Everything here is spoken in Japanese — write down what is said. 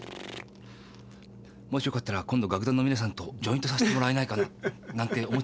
もしよかったら今度楽団の皆さんとジョイントさせてもらえないかななんて思っちゃったりなんかして。